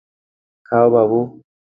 খাও, বাবু!